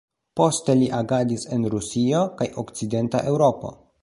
Poste li agadis en Rusio kaj okcidenta Eŭropo.